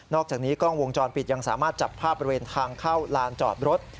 อกจากนี้กล้องวงจรปิดยังสามารถจับภาพบริเวณทางเข้าลานจอดรถ